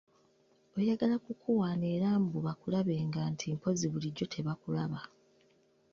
Oyagala kukuwaana era mbu bakulabenga nti mpozzi bulijjo tebakulaba!